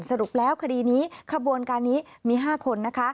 สรุปแล้วคดีนี้ขบวนการนี้มี๕คนนะคะ